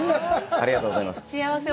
ありがとうございます。